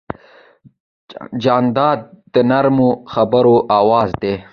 جانداد د نرمو خبرو آواز دی.